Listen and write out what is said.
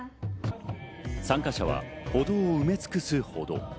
参加者は歩道を埋め尽くすほど。